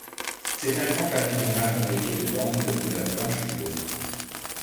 C'est un grand papillon marron rayé de bandes de couleur blanche ou jaune.